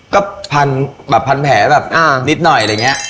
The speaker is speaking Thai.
ก็พันแผลแบบนิดหน่อยอะไรอย่างเงี้ย